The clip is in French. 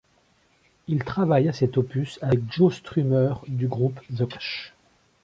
Il travaille à cet opus avec Joe Strummer du groupe The Clash.